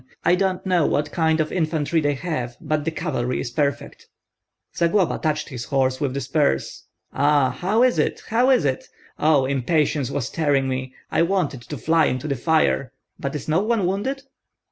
I don't know what kind of infantry they have, but the cavalry is perfect." Zagloba touched his horse with the spurs. "Ah! how is it, how is it? Oh, impatience was tearing me, I wanted to fly into the fire! But is no one wounded?"